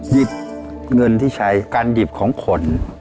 หยิบเงินที่ใช้การหยิบของขน